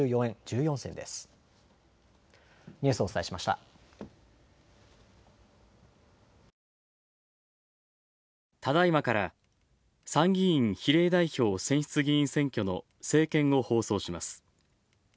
ただいまから参議院比例代表選出議員選挙の政見を放送します。